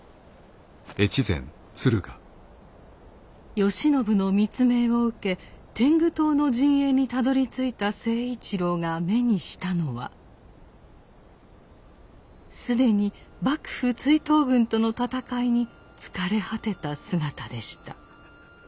慶喜の密命を受け天狗党の陣営にたどりついた成一郎が目にしたのは既に幕府追討軍との戦いに疲れ果てた姿でした。